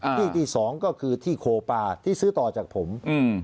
ที่ที่สองก็คือที่โคปาที่ซื้อต่อจากผม